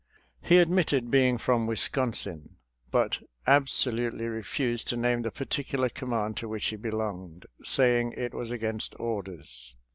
He admitted being from Wis consin, but absolutely refused to name the par ticular command to which he belonged, saying it was against orders.